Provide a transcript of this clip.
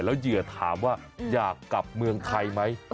แล้วเหยื่อถามว่าอยากกลับเมืองไทยไหม